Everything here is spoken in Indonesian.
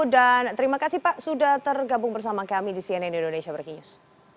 dan terima kasih pak sudah tergabung bersama kami di cnn indonesia berkinius